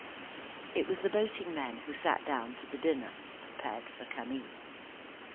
It was the boating men who sat down to the dinner prepared for Camille.